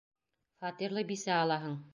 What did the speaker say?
Фатирлы бисә алаһың.